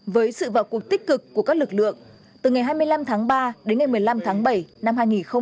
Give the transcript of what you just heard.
với sự vào cuộc tích cực của các lực lượng từ ngày hai mươi năm tháng ba đến ngày một mươi năm tháng bảy năm hai nghìn hai mươi